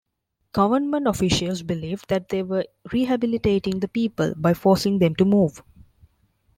Government officials believed that they were rehabilitating the people by forcing them to move.